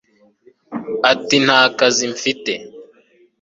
ati nta kazi mfite